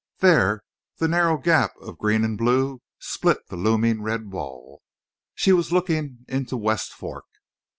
There the narrow gap of green and blue split the looming red wall. She was looking into West Fork.